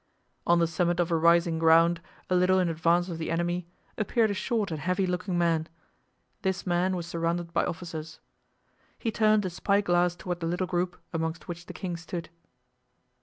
On the summit of a rising ground, a little in advance of the enemy, appeared a short and heavy looking man; this man was surrounded by officers. He turned a spyglass toward the little group amongst which the king stood.